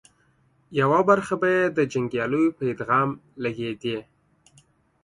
يوه برخه به یې د جنګياليو په ادغام لګېدې